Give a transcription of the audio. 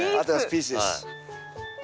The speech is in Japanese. ピースです。